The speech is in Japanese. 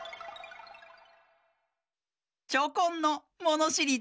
チョコンの「ものしりだれだ？」